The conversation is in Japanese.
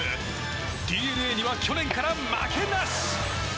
ＤｅＮＡには去年から負けなし。